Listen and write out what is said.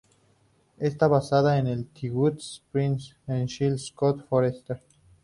Está basada en "The Good Shepherd" de Cecil Scott Forester.